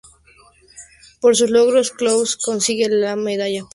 Por sus logros, Clouseau consigue la Medalla de Honor.